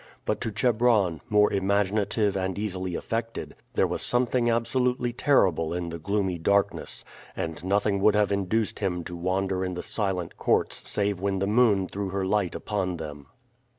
But to Chebron, more imaginative and easily affected, there was something absolutely terrible in the gloomy darkness, and nothing would have induced him to wander in the silent courts save when the moon threw her light upon them.